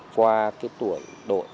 qua tuổi đội